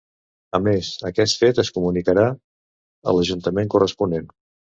A més, aquest fet es comunicarà a l'ajuntament corresponent.